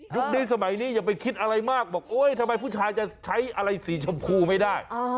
นี้สมัยนี้อย่าไปคิดอะไรมากบอกโอ๊ยทำไมผู้ชายจะใช้อะไรสีชมพูไม่ได้